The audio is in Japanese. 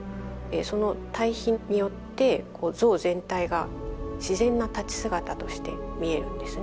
その対比によって像全体が自然な立ち姿として見えるんですね。